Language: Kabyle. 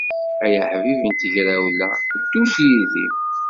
Ay aḥbib n tegrawla, ddu-d yid-i.